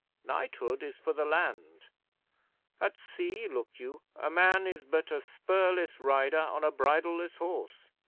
Knighthood is for the land. At sea, look you, a man is but a spurless rider on a bridleless horse.